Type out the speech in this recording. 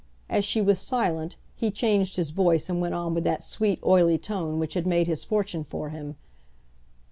As she was silent, he changed his voice, and went on with that sweet, oily tone which had made his fortune for him.